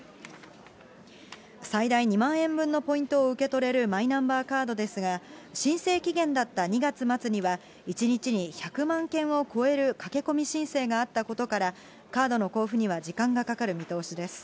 最大２万円分のポイントを受け取れるマイナンバーカードですが、申請期限だった２月末には、１日に１００万件を超える駆け込み申請があったことからカードの交付には時間がかかる見通しです。